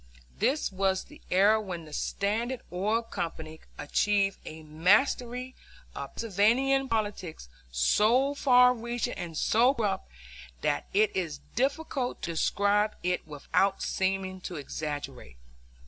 This was the era when the Standard Oil Company achieved a mastery of Pennsylvania politics so far reaching and so corrupt that it is difficult to describe it without seeming to exaggerate.